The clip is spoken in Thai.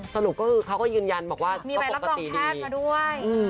สรุปก็ก็ยืนยันว่าก็มีประการคัทมาด้วย